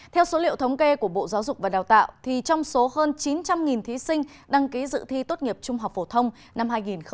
theo số liệu thống kê của bộ giáo dục và đào tạo trong số hơn chín trăm linh thí sinh đăng ký dự thi tốt nghiệp trung học phổ thông năm hai nghìn hai mươi